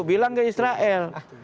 bilang ke israel